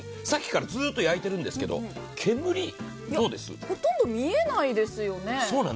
さっきからずっと焼いているんですけど、煙、ほとんど見えないですよね。